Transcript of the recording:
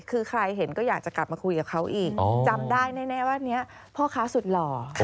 คือใครเห็นก็อยากจะกลับมาคุยกับเขาอีกจำได้แน่ว่านี้พ่อค้าสุดหล่อ